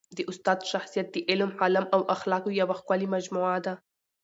د استاد شخصیت د علم، حلم او اخلاقو یوه ښکلي مجموعه ده.